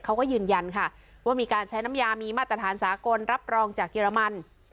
เขาก็ยืนยันค่ะว่ามีการใช้น้ำยามีมาตรฐานสากลรับรองจากเยอรมัน